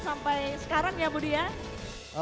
sampai sekarang ya budi ya